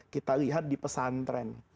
kita lihat di pesantren